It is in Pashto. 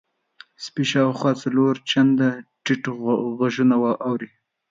سپی شاوخوا څلور چنده ټیټ غږونه اوري.